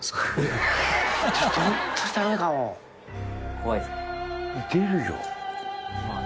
怖いですか？